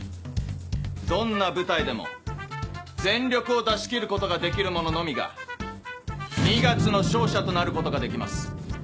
どんな舞台でも全力を出し切ることができる者のみが二月の勝者となることができます。